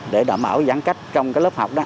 để đảm bảo giãn cách trong lớp học